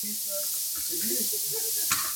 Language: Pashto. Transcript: ایا ستاسو سپوږمۍ به روښانه نه وي؟